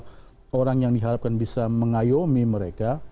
bahwa orang yang diharapkan bisa mengayomi mereka